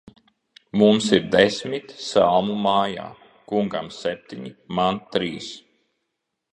Mums ir desmit salmu mājā; kungam septiņi, man trīs.